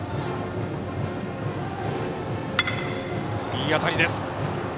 いい当たりです。